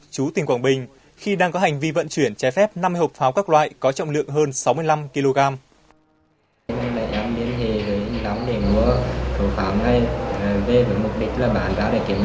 chú tỉnh quảng bình khi đang có hành vi vận chuyển trái phép năm hộp pháo các loại có trọng lượng hơn sáu mươi năm kg